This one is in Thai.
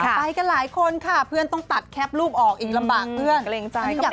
ไปกันหลายคนค่ะเพื่อนต้องตัดแคปรูปออกอีกลำบากเพื่อนเกรงใจ